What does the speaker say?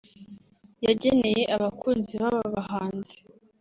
yageneye abakunzi b’aba bahanzi